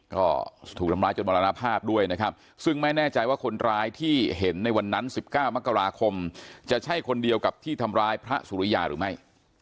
ก็ถูกทำร้ายจนมรณภาพด้วยนะครับซึ่งไม่แน่ใจว่าคนร้ายที่เห็นในวันนั้น๑๙มกราคมจะใช่คนเดียวกับที่ทำร้ายพระสุริยาหรือไม่